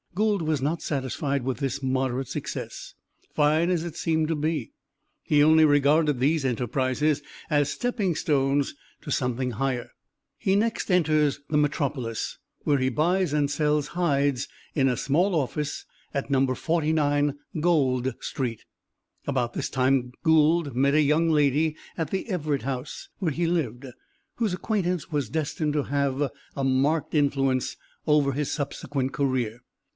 Gould was not satisfied with this moderate success, fine as it seemed to be; he only regarded these enterprises as stepping stones to something higher. He next enters the metropolis where he buys and sells hides in a small office at No. 49 Gold street. About this time Gould met a young lady at the Everett House, where he lived, whose acquaintance was destined to have a marked influence over his subsequent career.